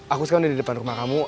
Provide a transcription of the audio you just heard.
aku sekarang di depan rumah kamu